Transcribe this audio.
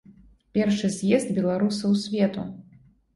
Першы з'езд беларусаў свету.